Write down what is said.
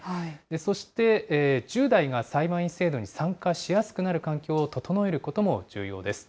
そして１０代が裁判員制度に参加しやすくなる環境を整えることも重要です。